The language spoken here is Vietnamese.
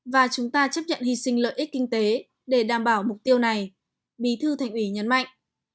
và chúng ta chấp nhận hy sinh lợi ích kinh tế để đảm bảo mục tiêu này bí thư thành ủy nhấn mạnh